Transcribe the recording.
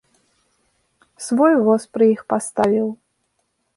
Свой воз пры іх паставіў.